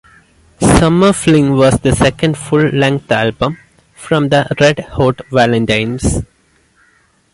Summer Fling was the second full-length album from The Red Hot Valentines.